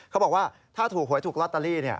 เขาบอกว่าถ้าถูกหวยถูกลอตเตอรี่